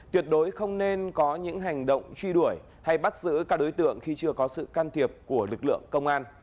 tuyệt đối không nên có những hành động truy đuổi hay bắt giữ các đối tượng khi chưa có sự can thiệp của lực lượng công an